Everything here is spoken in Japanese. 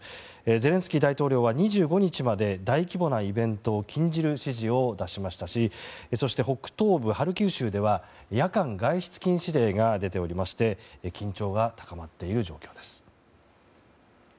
ゼレンスキー大統領は２５日まで大規模なイベントを禁じる指示を出しましたし北東部ハルキウ州では夜間外出禁止令が出ておりまして緊張が高まっている状況です。